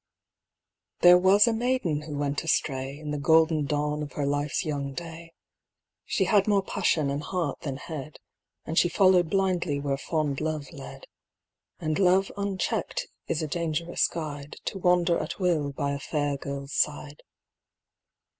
There was a maiden who went astray, In the golden dawn of her life's young day. She had more passion and heart than head, And she followed blindly where fond Love led. And Love unchecked is a dangerous guide To wander at will by a fair girl's side.